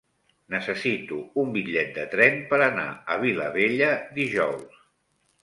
Necessito un bitllet de tren per anar a Vilabella dijous.